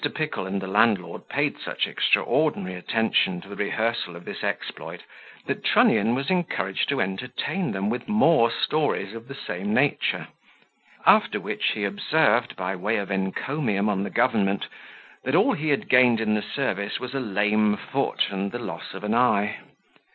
Pickle and the landlord paid such extraordinary attention to the rehearsal of this exploit, that Trunnion was encouraged to entertain them with more stories of the same nature; after which he observed, by way of encomium on the government, that all he had gained in the service was a lame foot and the loss of an eye.